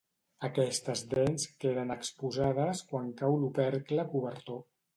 Aquestes dents queden exposades quan cau l'opercle cobertor.